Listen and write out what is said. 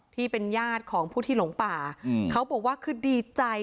ที่เป็นญาติของผู้ที่หลงป่าเขาบอกว่าคือดีใจ